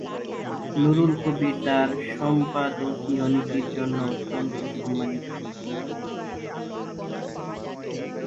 নূরুল কবীর তার সম্পাদকীয় নীতির জন্য অত্যন্ত সম্মানিত।